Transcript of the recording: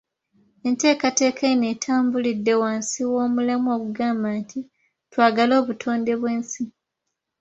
Enteekateeka eno etambulidde wansi w’omulamwa ogugamba nti, “Twagale obutonde bw’ensi.”